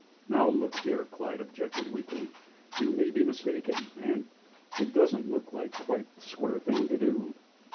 "Now look here," Clyde objected, weakly, "you may be mistaken, and it doesn't look like quite the square thing to do."